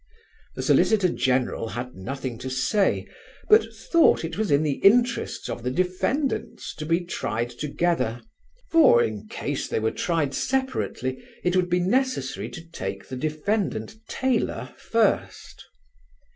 The Solicitor General had nothing to say, but thought it was in the interests of the defendants to be tried together; for, in case they were tried separately, it would be necessary to take the defendant Taylor first.